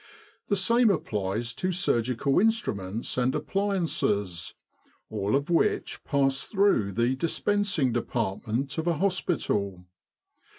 The same applies to surgical instruments and appliances, all of which pass through the Dispensing Department of a hospital.